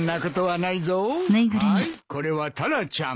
はいこれはタラちゃん。